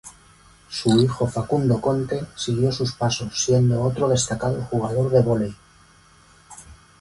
Su hijo Facundo Conte siguió sus pasos siendo otro destacado jugador de vóley.